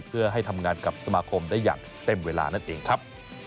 เพื่อให้ทำงานกับสมาคมได้อย่างเต็มเวลานั่นเองครับ